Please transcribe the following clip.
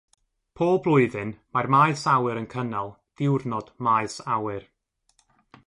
Pob blwyddyn, mae'r maes awyr yn cynnal Diwrnod Maes Awyr.